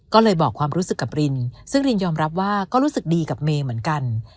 ก็เลยบอกความรู้สึกกับรินซึ่งรินยอมรับว่าก็รู้สึกดีกับเมย์เหมือนกัน